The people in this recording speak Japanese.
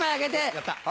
やったー。